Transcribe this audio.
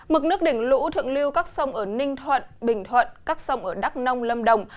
mực nước đỉnh lũ thượng lưu các sông ở ninh thuận bình thuận các sông ở đắk nông lâm đồng